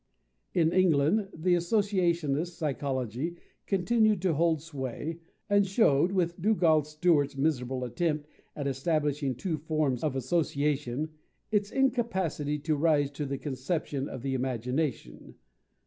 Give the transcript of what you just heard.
In England, the associationist psychology continued to hold sway, and showed, with Dugald Stewart's miserable attempt at establishing two forms of association, its incapacity to rise to the conception of the imagination.